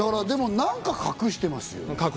でも何か隠してますよね。